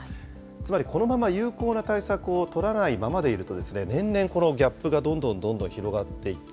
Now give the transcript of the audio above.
つまりこのまま有効な対策を取らないままでいると、年々このギャップがどんどんどんどん広がっていく。